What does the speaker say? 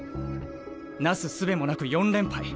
なすすべもなく４連敗。